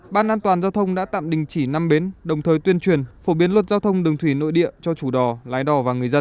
bán an toàn giao thông đã tạm đình chỉ năm bến đồng thời tuyên truyền phổ biến luật giao thông đường thủy nội địa cho chủ đò lái đò